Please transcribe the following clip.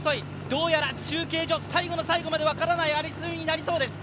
どうやら中継所最後の最後まで分からない争いになりそうです。